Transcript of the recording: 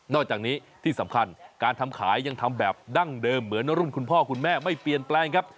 อกจากนี้ที่สำคัญการทำขายยังทำแบบดั้งเดิมเหมือนรุ่นคุณพ่อคุณแม่ไม่เปลี่ยนแปลงครับ